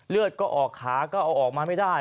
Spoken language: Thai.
เลือดก็ออกขาก็เอาออกมาไม่ได้